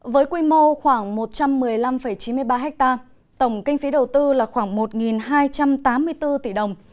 với quy mô khoảng một trăm một mươi năm chín mươi ba ha tổng kinh phí đầu tư là khoảng một hai trăm tám mươi bốn tỷ đồng